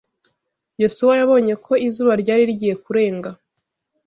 Yosuwa yabonye ko izuba ryari rigiye kurenga